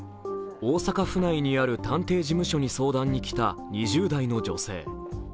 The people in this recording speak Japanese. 大阪府内にある探偵事務所に相談に来た２０代の女性。